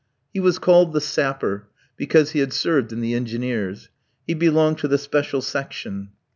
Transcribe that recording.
He was called the Sapper, because he had served in the Engineers. He belonged to the special section.